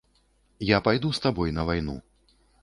Я пайду з табой на вайну.